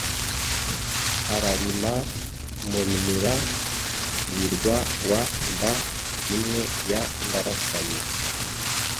Ararima Murimira-birwa wa Nda-imwe ya Ndarasanye